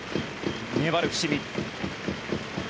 粘る伏見。